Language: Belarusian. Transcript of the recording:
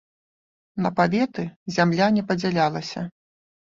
На паветы зямля не падзялялася.